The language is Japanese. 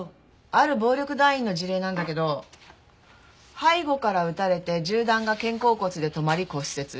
ある暴力団員の事例なんだけど背後から撃たれて銃弾が肩甲骨で止まり骨折。